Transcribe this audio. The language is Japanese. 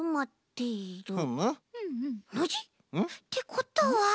ノジ！ってことは。